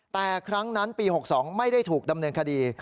แต่ครั้งนั้นปี๖๒ไม่ได้ถูกดำเนินคดี